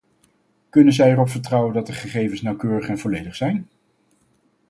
Kunnen zij erop vertrouwen dat de gegevens nauwkeurig en volledig zijn?